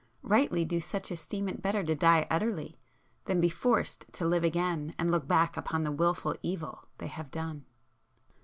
Rightly do such esteem it better to die utterly, than be forced to live again and look back upon the wilful evil they have done!